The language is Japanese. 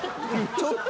ちょっと！